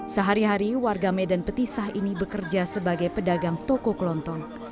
sehari hari warga medan petisah ini bekerja sebagai pedagang toko kelonton